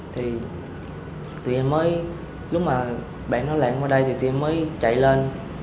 thì tụi em mới lúc mà bạn đó lãng qua đây thì tụi em mới chạy lên